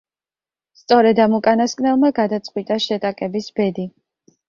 სწორედ ამ უკანასკნელმა გადაწყვიტა შეტაკების ბედი.